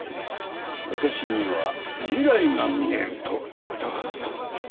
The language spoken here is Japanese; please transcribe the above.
私には未来が見えると言ったはずだ。